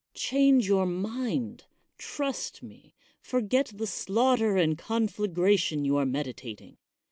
Change your mind: trust me: forjget the slaughter and conflagration you are medita ting.